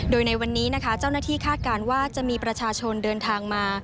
โดยในวันนี้นะคะเจ้าหน้าที่คาดการณ์ว่าจะมีประชาชนเดินทางมา